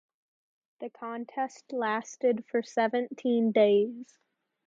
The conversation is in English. The contest lasted for seventeen days.